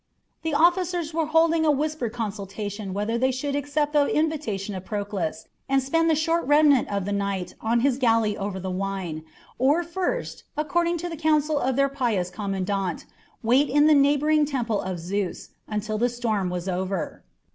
The officers were holding a whispered consultation whether they should accept the invitation of Proclus and spend the short remnant of the night on his galley over the wine, or first, according to the counsel of their pious commandant, wait in the neighbouring temple of Zeus until the storm was over.